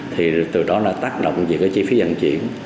thì từ đó đã tác động về cái chi phí vận chuyển